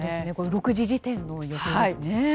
６時時点の予想ですね。